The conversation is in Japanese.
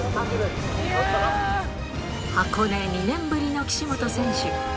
箱根２年ぶりの岸本選手。